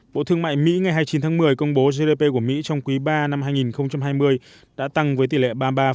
bộ thương mại mỹ ngày hai mươi chín tháng một mươi công bố gdp của mỹ trong quý ba năm hai nghìn hai mươi đã tăng với tỷ lệ ba mươi ba bốn